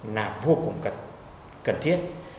là vô cùng cần thiết